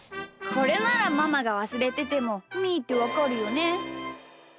これならママがわすれててもみーってわかるよね。